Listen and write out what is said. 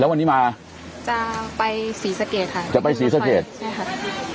วันนี้มาจะไปศรีสะเกดค่ะจะไปศรีสะเกดใช่ค่ะ